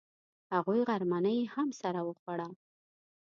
هغوی غرمنۍ هم سره وخوړه.